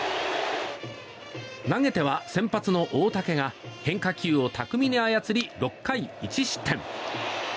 投げては、先発の大竹が変化球を巧みに操り６回１失点。